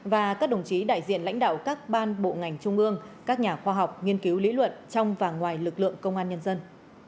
và các đồng chí đại diện lãnh đạo các ban bộ ngành trung ương các nhà khoa học nghiên cứu lý luận trong và ngoài lực lượng công an nhân dân